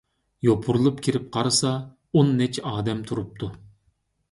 يوپۇرۇلۇپ كىرىپ قارىسا، ئون نەچچە ئادەم تۇرۇپتۇ.